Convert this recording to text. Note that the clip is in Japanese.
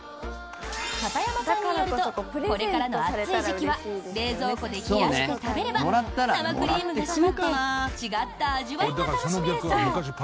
片山さんによるとこれからの暑い時期は冷蔵庫で冷やして食べれば生クリームが締まって違った味わいが楽しめるそう。